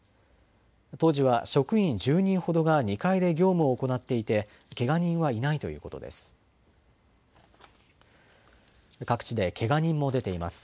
当時は職員１０人ほどが２階で業務を行っていて、けが人はいないということです。